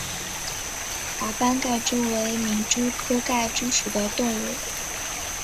华斑盖蛛为皿蛛科盖蛛属的动物。